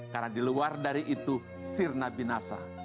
karena di luar dari itu sirna binasa